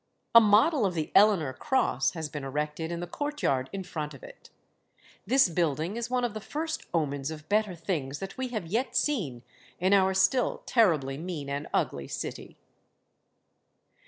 A model of the Eleanor Cross has been erected in the courtyard in front of it. This building is one of the first omens of better things that we have yet seen in our still terribly mean and ugly city.